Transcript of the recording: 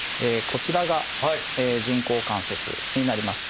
こちらが人工関節になります。